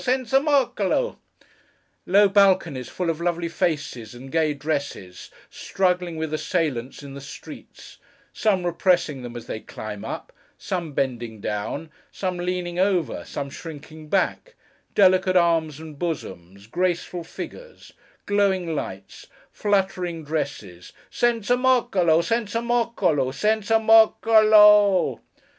Senza Moccolo!'; low balconies full of lovely faces and gay dresses, struggling with assailants in the streets; some repressing them as they climb up, some bending down, some leaning over, some shrinking back—delicate arms and bosoms—graceful figures—glowing lights, fluttering dresses, Senza Moccolo, Senza Moccoli, Senza Moc co lo o o o!